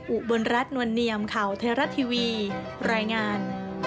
อุบลรัฐนวลเนียมข่าวไทยรัฐทีวีรายงาน